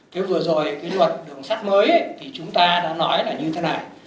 thế vừa rồi cái luật đường sắt mới thì chúng ta đã nói là như thế này